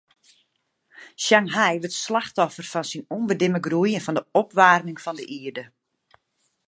Shanghai wurdt slachtoffer fan syn ûnbedimme groei en fan de opwaarming fan de ierde.